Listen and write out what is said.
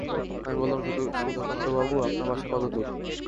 আমি বললাম, সুধাকান্তবাবু, আপনার বাসা কত দূর?